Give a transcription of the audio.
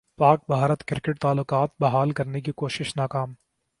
پاک بھارت کرکٹ تعلقات بحال کرنے کی کوشش ناکام